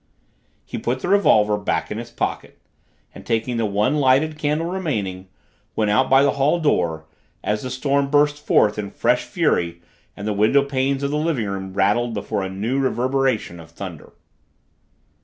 He put the revolver back in his pocket and, taking the one lighted candle remaining, went out by the hall door, as the storm burst forth in fresh fury and the window panes of the living room rattled before a new reverberation of thunder.